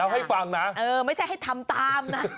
เล่าให้ฟังนาเหรอนะครับไม่ใช่ให้ทำตามน่ะ